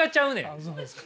あそうですか。